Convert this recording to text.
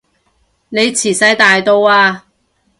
你遲哂大到啊